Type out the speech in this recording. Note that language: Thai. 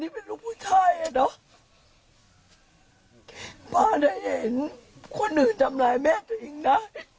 ป้าจะเห็นคนอื่นทำร้ายแม่ตัวเองนะ